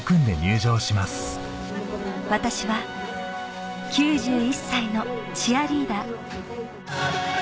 私は９１歳のチアリーダー